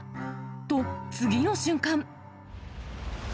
と、次の瞬間。